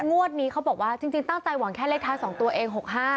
งวดนี้เขาบอกว่าจริงตั้งใจหวังแค่เลขท้าย๒ตัวเอง๖๕